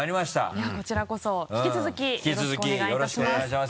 いやこちらこそ引き続きよろしくお願いいたします。